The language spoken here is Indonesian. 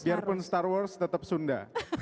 biarpun star wars tetap sunda